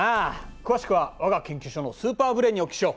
詳しくは我が研究所のスーパーブレーンにお聞きしよう。